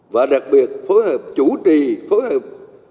và đặc biệt phối hợp chủ trì phối hợp